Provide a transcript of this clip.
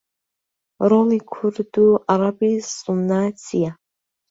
ڕۆڵی کورد و عەرەبی سوننە چییە؟